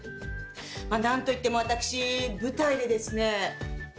まあ何といっても私舞台でですね。